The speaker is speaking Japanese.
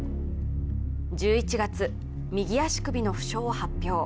１１月、右足首の負傷を発表。